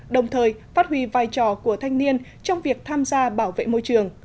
đồng thời phát huy vai trò của thanh niên trong việc tham gia bảo vệ môi trường